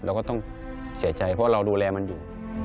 เราก็ต้องเสียใจเพราะเราดูแลมันอยู่